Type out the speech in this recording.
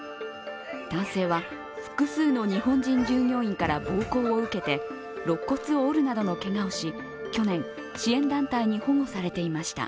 男性は、複数の日本人従業員から暴行を受けてろっ骨を折るなどのけがをし去年、支援団体に保護されていました。